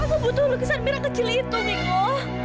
aku butuh lukisan merah kecil itu miko